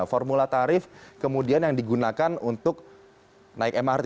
formula tarif kemudian yang digunakan untuk naik mrt